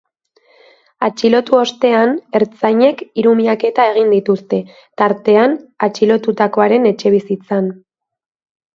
Atxilotu ostean, ertzainek hiru miaketa egin dituzte, tartean atxilotutakoaren etxebizitzan.